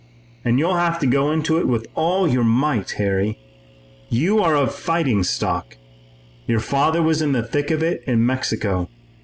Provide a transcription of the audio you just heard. And you'll have to go into it with all your might, Harry. You are of fighting stock. Your father was in the thick of it in Mexico.